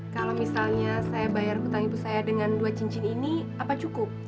kalau misalnya saya bayar hutang ibu saya dengan dua cincin ini apa cukup